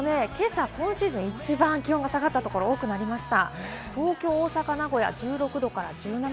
今朝、今シーズン一番気温が下がったところ、多くなりました。